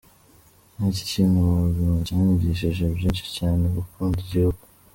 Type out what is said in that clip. Ni ikintu mu buzima cyanyigishije byinshi, cyane gukunda igihugu.”